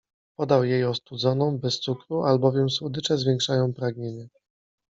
Podał jej ostudzoną, bez cukru, albowiem słodycze zwiększają pragnienie.